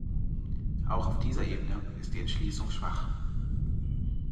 Auch auf dieser Ebene ist die Entschließung schwach.